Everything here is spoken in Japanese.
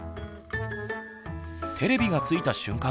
テレビがついた瞬間